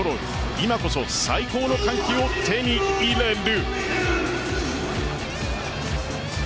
今こそ最高の歓喜を手に入れる。